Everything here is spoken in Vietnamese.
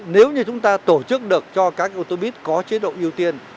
nếu như chúng ta tổ chức được cho các ô tô buýt có chế độ ưu tiên